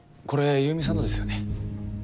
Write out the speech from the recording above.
これ優美さんのですよね？